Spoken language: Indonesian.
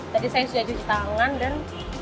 tadi saya sudah cuci tangan dan